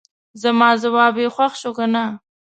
زما جواب یې خوښ شو کنه.